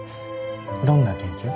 どんな研究？